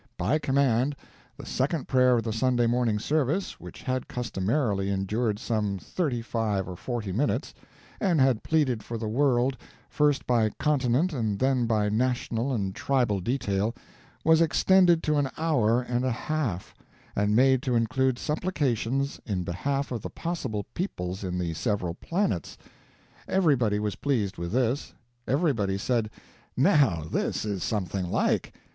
By command, the second prayer of the Sunday morning service, which had customarily endured some thirty five or forty minutes, and had pleaded for the world, first by continent and then by national and tribal detail, was extended to an hour and a half, and made to include supplications in behalf of the possible peoples in the several planets. Everybody was pleased with this; everybody said, "Now this is something like."